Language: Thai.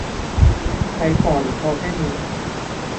ไปต่อหรือพอแค่นี้